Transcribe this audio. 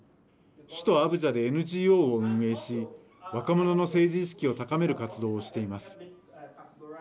首都アブジャでＮＧＯを運営し若者の政治意識を高める活動をしています。